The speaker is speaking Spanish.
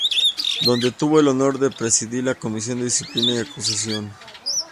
Donde tuvo el honor de presidir la Comisión de Disciplina y Acusación.